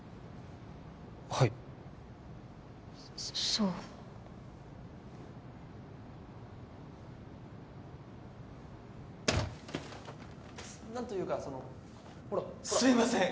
はいそう何というかそのほらほらすいません